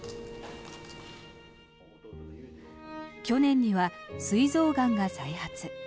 去年にはすい臓がんが再発。